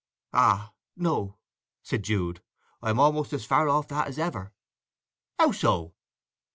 "Ah, no!" said Jude. "I am almost as far off that as ever." "How so?"